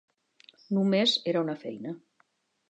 Només era una feina.